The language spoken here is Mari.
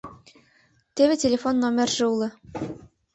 — Теве телефон номерже уло.